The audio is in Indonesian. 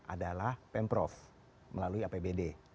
adalah pemprov melalui apbd